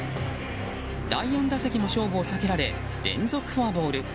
第４打席も勝負を避けられ連続フォアボール。